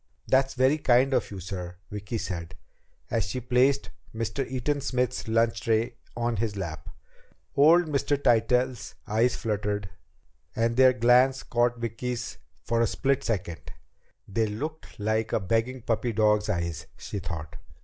"That's very kind of you, sir," Vicki said, as she placed Mr. Eaton Smith's lunch tray on his lap. Old Mr. Tytell's eyes fluttered, and their glance caught Vicki's for a split second. They looked like a begging puppy dog's eyes, she thought.